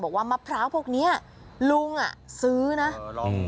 บอกว่ามะพร้าวพวกเนี้ยลุงอ่ะซื้อนะอืม